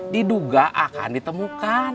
diduga akan ditemukan